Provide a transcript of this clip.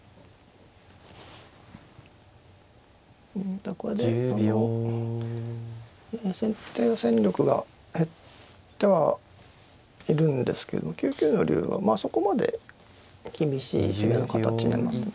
ただこれであの先手の戦力が減ってはいるんですけど９九の竜はまあそこまで厳しい攻めの形にはなってない。